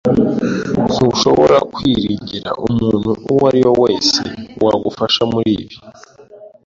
Ntushobora kwiringira umuntu uwo ari we wese wagufasha muri ibi.